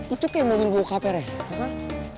itu kayak mobil buka perih kan